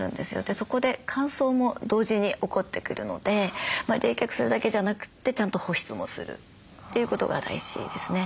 そこで乾燥も同時に起こってくるので冷却するだけじゃなくてちゃんと保湿もするということが大事ですね。